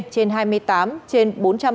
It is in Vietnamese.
trên hai mươi tám trên bốn trăm bảy mươi bốn